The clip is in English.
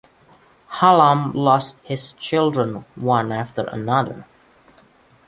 Hallam lost his children, one after another.